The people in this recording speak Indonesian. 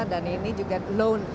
dan ini juga loan